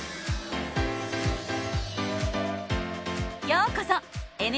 ようこそ！